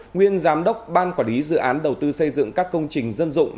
nguyên giám đốc ban quản lý dự án đầu tư xây dựng các công trình dân dụng